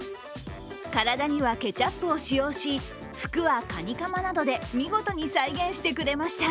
体にはケチャップを使用し、服はカニカマなどで見事に再現してくれました。